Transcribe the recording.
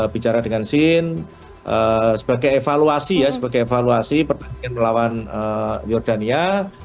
bicara dengan sin sebagai evaluasi ya sebagai evaluasi pertandingan melawan yordania